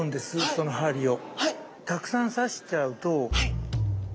その針を。